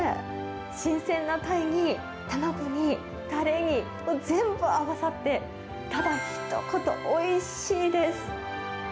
新鮮なタイに、卵に、たれに、全部合わさって、ただひと言、おいしいです。